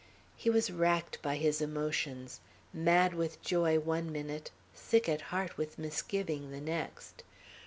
He was racked by his emotions; mad with joy one minute, sick at heart with misgiving the next.